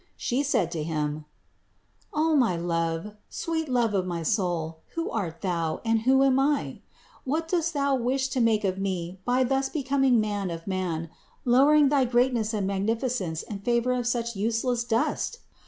She said to Him: "O my Love, sweet Life of my soul, who art Thou, and who am I? What dost Thou wish to make of me by thus becoming man of man, lowering thy greatness and magnificence in favor of such useless dust?